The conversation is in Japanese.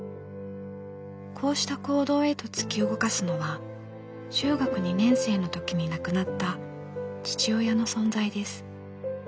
こうした行動へと突き動かすのは中学２年生の時に亡くなった父親の存在です。